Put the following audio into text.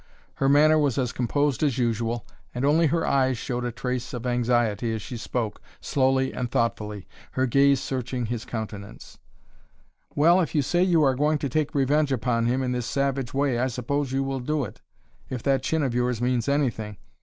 Her manner was as composed as usual, and only her eyes showed a trace of anxiety as she spoke, slowly and thoughtfully, her gaze searching his countenance: "Well, if you say you are going to take revenge upon him in this savage way I suppose you will do it if that chin of yours means anything.